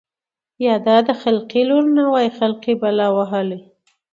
يا دا د خلقي لـور نه وای خـلقۍ بلا وهـلې.